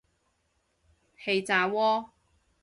氣炸鍋